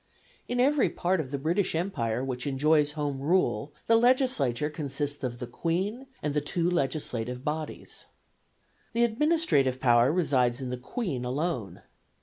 In every part of the British Empire which enjoys home rule the legislature consists of the Queen and the two local legislative bodies. The administrative power resides in the Queen alone.